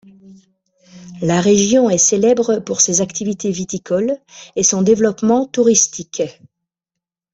La région est célèbre pour ses activités viticoles et son développement touristique.